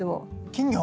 金魚？